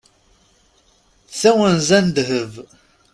Tawenza n ddheb.